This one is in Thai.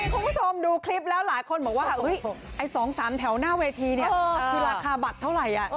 คุณผู้ชมดูคลิปแล้วหลายคนบอกว่าไอ้๒๓แถวหน้าเวทีเนี่ยคือราคาบัตรเท่าไหร่